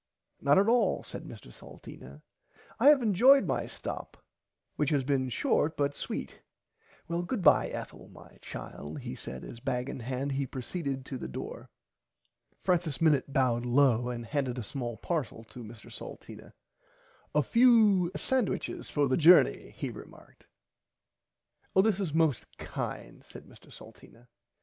Not at all said Mr Salteena I have enjoyed my stop which has been short and sweet well goodbye Ethel my child he said as bag in hand he proceeded to the door. Francis Minnit bowed low and handed a small parcel to Mr Salteena a few sandwighs for the jorney sir he remarked. Oh this is most kind said Mr Salteena.